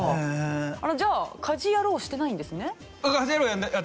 じゃあ『家事ヤロウ！！！』してないんですね。